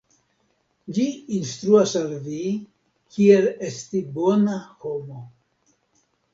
Ĝi instruas al vi kiel esti bona homo.